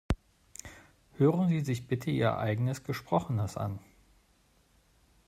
Hören Sie sich bitte Ihr eigenes Gesprochenes an.